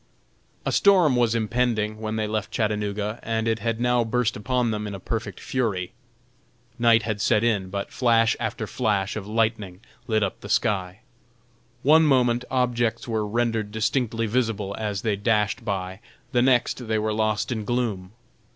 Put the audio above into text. A storm was impending when they left Chattanooga and it had now burst upon them in a perfect fury. Night had set in, but flash after flash of lightning lit up the sky. One moment, objects were rendered distinctly visible as they dashed by, the next they were lost in gloom.